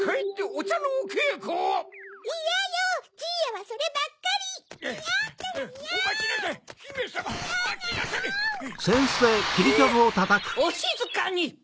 おしずかに！